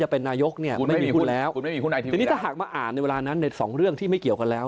ถ้าหากมาอ่านที่ไม่เกี่ยวกันแล้ว